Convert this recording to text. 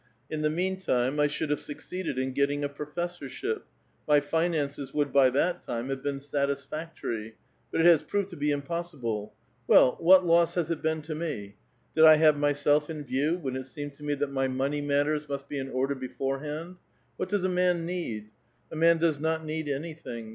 In the meantime, I should have succeeded in getting a professorship ; my finances would, by that time, bave been satisfagtory : but it has proved to be impossible. Well, what loss has it been to me ? Did I have myself in 'view when it seemed to. me that my money matters must bo In order beforehand? What does a man need? A man does XI ot need anything.